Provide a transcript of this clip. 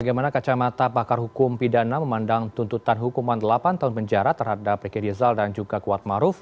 bagaimana kacamata pakar hukum pidana memandang tuntutan hukuman delapan tahun penjara terhadap riki rizal dan juga kuat maruf